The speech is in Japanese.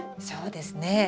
そうですね。